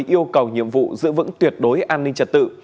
yêu cầu nhiệm vụ giữ vững tuyệt đối an ninh trật tự